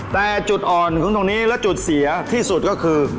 แต่จุดอ่อนของตรงนี้และจุดเสียที่สุดก็คือ